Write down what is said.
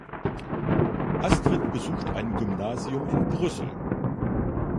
Astrid besuchte ein Gymnasium in Brüssel.